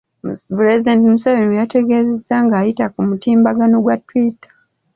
Pulezidenti Museveni bweyategezeza ng'ayita ku mutimbagano gwa Twitter